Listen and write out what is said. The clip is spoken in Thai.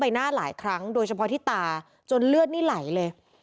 หน้าหลายครั้งโดยเฉพาะที่ตาจนเลือดนี่ไหลเลย